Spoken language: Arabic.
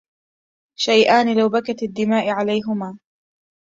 شيئان لو بكت الدماء عليهما